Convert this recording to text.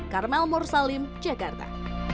karmel mursalim jakarta